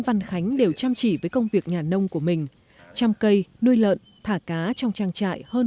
văn khánh đều chăm chỉ với công việc nhà nông của mình trăm cây nuôi lợn thả cá trong trang trại hơn